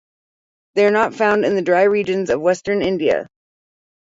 They are not found in the dry regions of western India.